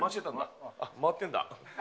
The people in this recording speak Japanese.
回ってんだ。